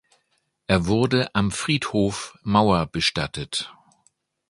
Er wurde am Friedhof Mauer bestattet.